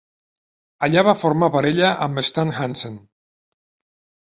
Allà va formar parella amb Stan Hansen.